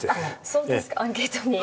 そうですかアンケートに。